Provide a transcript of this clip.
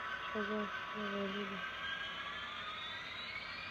ښځه غلې ده